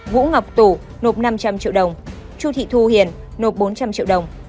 vũ ngọc tủ nộp năm trăm linh triệu đồng chu thị thu hiền nộp bốn trăm linh triệu đồng